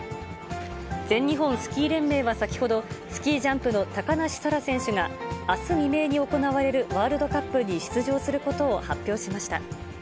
全日本スキー連盟は先ほど、スキージャンプの高梨沙羅選手が、あす未明に行われるワールドカップに出場することを発表しました。